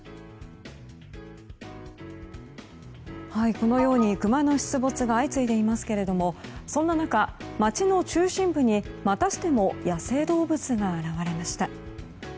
このようにクマの出没が相次いでいますがそんな中、街の中心部にまたしても野生動物が現れました。